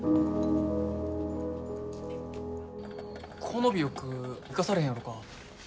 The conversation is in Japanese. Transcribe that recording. この尾翼生かされへんやろか？